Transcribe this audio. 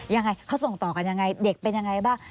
ยังไงเขาส่งต่อกันยังไงเด็กเป็นยังไงบ้าง